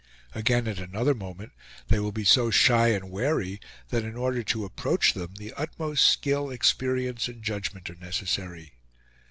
Again at another moment they will be so shy and wary, that in order to approach them the utmost skill, experience, and judgment are necessary.